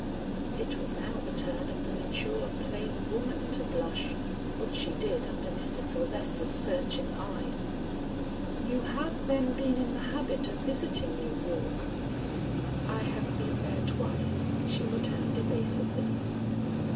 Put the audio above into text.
It was now the turn of the mature plain woman to blush, which she did under Mr. Sylvester's searching eye. "You have then been in the habit of visiting New York?" "I have been there twice," she returned evasively.